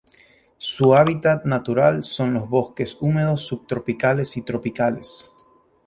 Su hábitat natural son los bosques húmedos subtropicales y tropicales.